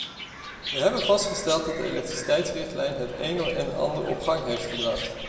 We hebben vastgesteld dat de elektriciteitsrichtlijn het een en ander op gang heeft gebracht.